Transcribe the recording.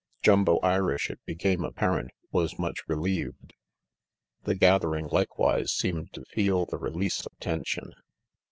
Jumbo Irish, it became apparent, was much relieved. The gathering likewise seemed to feel the release of tension.